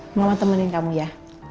mama temenin kamu ya